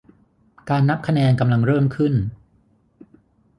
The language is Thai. การนับคะแนนกำลังเริ่มขึ้น